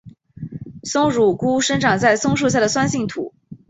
松乳菇生长在松树下的酸性土。